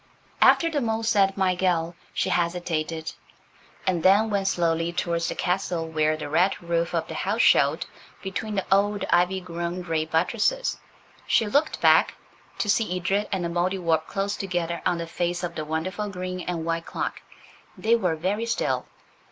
After the mole said "my gell" she hesitated, and then went slowly towards the castle where the red roof of the house showed between the old, ivy grown grey buttresses. She looked back, to see Edred and the Mouldiwarp close together on the face of the wonderful green and white clock. They were very still.